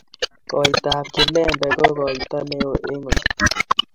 Koita ab Kilembe ko koito neo eng oli.